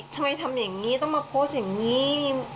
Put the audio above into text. ทำอย่างนี้ต้องมาโพสต์อย่างนี้